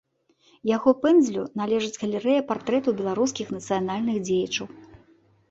Яго пэндзлю належыць галерэя партрэтаў беларускіх нацыянальных дзеячаў.